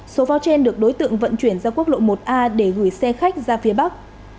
số pháo trên được đối tượng vận chuyển ra quốc lộ một a để gửi xe khách ra phía bắc